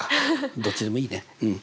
どっちでもいいねうん。